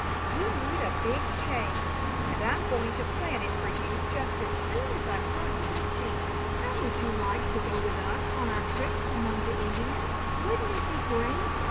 You need a big change, and I'm going to plan it for you just as soon as I possibly can. How would you like to go with us on our trip among the Indians? Wouldn't it be great?